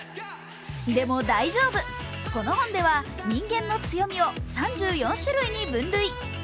でも大丈夫、この本では人間の強みを３４種類に分類。